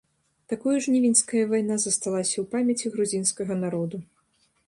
Такою жнівеньская вайна засталася ў памяці грузінскага народу.